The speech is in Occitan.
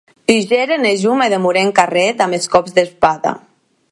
Hugeren, e jo me demorè en carrèr damb es còps d'espada.